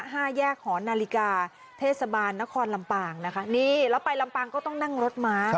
ห้าแยกหอนาฬิกาเทศบาลนครลำปางนะคะนี่แล้วไปลำปางก็ต้องนั่งรถม้า